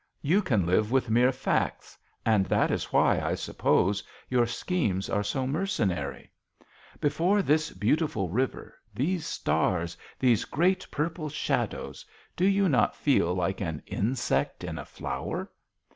You can live with mere facts, and that is why, I suppose, your schemes are so mercenary. Before this beautiful river, these stars, these great purple shadows, do you not feel 14 JOHN SHERMAN. like an insect in a flower